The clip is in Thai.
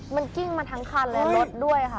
มันกิ้งมาทั้งคันและรถด้วยค่ะ